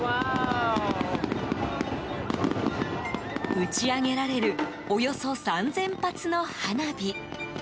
打ち上げられるおよそ３０００発の花火。